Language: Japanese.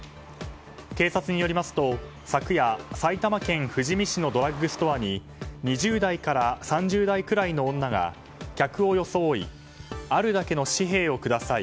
警察によりますと昨夜埼玉県富士見市のドラッグストアに２０代から３０代くらいの女が客を装いあるだけの紙幣をください